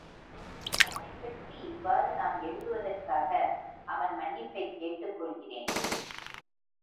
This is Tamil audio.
அவனைப் பற்றி இவ்வாறு நான் எழுதுவதற்காக அவன் மன்னிப்பைக் கேட்டுக் கொள்ளுகிறேன்.